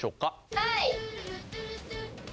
はい。